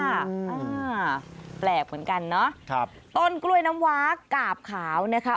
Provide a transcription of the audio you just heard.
อ่าแปลกเหมือนกันเนอะครับต้นกล้วยน้ำว้ากาบขาวนะคะ